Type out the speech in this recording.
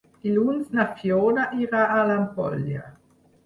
Dilluns na Fiona irà a l'Ampolla.